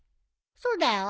そうだよ。